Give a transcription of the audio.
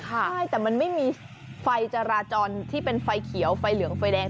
ใช่แต่มันไม่มีไฟจราจรที่เป็นไฟเขียวไฟเหลืองไฟแดง